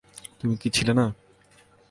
তুমি কী ছিলে না?